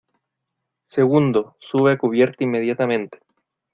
segundo, sube a cubierta inmediatamente.